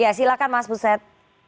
ya silakan mas buset